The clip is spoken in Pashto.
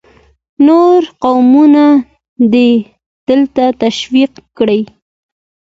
نور قومونه دې ته تشویق کړي.